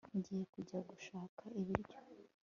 ngiye kujya gushaka ibiryo